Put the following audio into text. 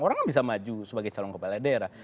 orang kan bisa maju sebagai calon kepala daerah